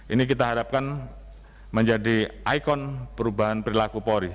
ini kita harapkan menjadi ikon perubahan perilaku polri